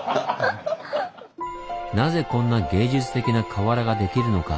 なぜこんな芸術的な瓦ができるのか。